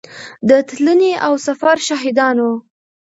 د تلنې او سفر شاهدان وو.